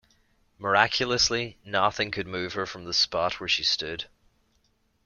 Miraculously, nothing could move her from the spot where she stood.